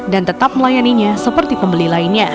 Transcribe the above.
dan tetap melayaninya seperti pembeli lainnya